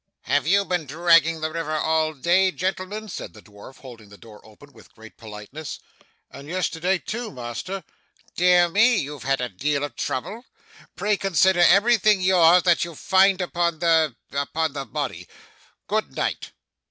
'Have you been dragging the river all day, gentlemen?' said the dwarf, holding the door open with great politeness. 'And yesterday too, master.' 'Dear me, you've had a deal of trouble. Pray consider everything yours that you find upon the upon the body. Good night!